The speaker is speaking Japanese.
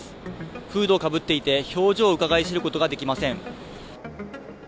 フードをかぶっていて、表情をうかがい知ることができません。